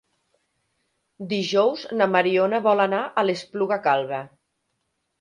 Dijous na Mariona vol anar a l'Espluga Calba.